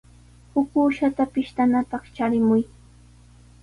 Huk uushata pishtanapaq charimuy.